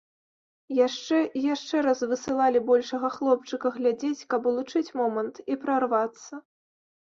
Яшчэ і яшчэ раз высылалі большага хлопчыка глядзець, каб улучыць момант і прарвацца.